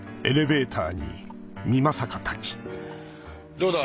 どうだ？